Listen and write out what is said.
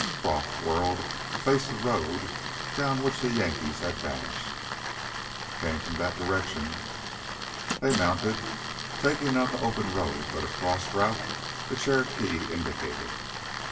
Croff whirled to face the road down which the Yankees had vanished. "Came from that direction " They mounted, taking not the open road but a cross route the Cherokee indicated.